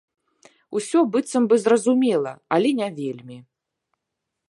Усё быццам бы зразумела, але не вельмі.